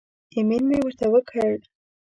ایمیل مې ورته وکړ.